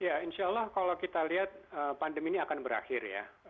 ya insya allah kalau kita lihat pandemi ini akan berakhir ya